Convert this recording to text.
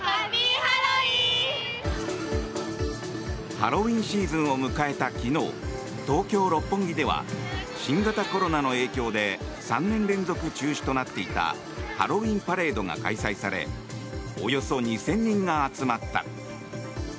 ハロウィーンシーズンを迎えた昨日東京・六本木では新型コロナの影響で３年連続中止となっていたハロウィーンパレードが開催されおよそ２０００人が集まった。